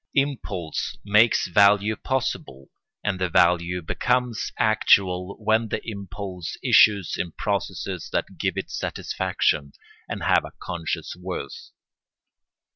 Impulse makes value possible; and the value becomes actual when the impulse issues in processes that give it satisfaction and have a conscious worth.